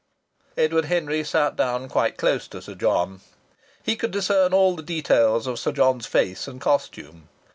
Edward Henry sat down quite close to Sir John. He could discern all the details of Sir John's face and costume.